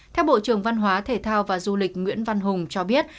theo bộ trưởng văn hóa thể thao và du lịch nguyễn văn hùng cho biết